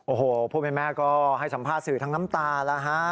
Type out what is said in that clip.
โอ้โฮพวกแม่ก็ให้สัมภาษณ์สื่อทั้งน้ำตาล่ะครับ